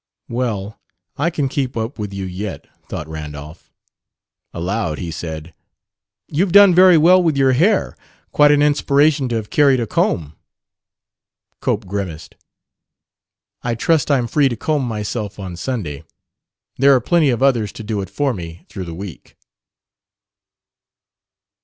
"Well, I can keep up with you yet," thought Randolph. Aloud, he said: "You've done very well with your hair. Quite an inspiration to have carried a comb." Cope grimaced. "I trust I'm free to comb myself on Sunday. There are plenty of others to do it for me through the week."